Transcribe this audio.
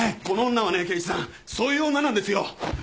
この女はね刑事さんそういう女なんですよ。